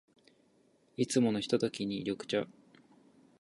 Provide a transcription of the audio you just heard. いつものひとときに、緑茶。